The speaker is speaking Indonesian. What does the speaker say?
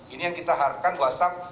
ini yang kita harapkan whatsapp